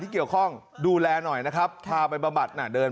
เกี่ยวข้องดูแลหน่อยนะครับพาไปบำบัดน่ะเดิน